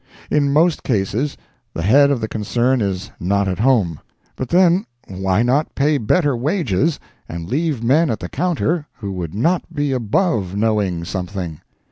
In most cases, the head of the concern is not at home; but then why not pay better wages and leave men at the counter who would not be above knowing something?